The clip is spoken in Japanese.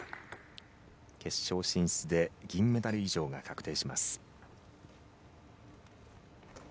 決勝進出で銀メダル以上が確定します。